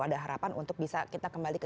ada harapan untuk bisa kita kembali ke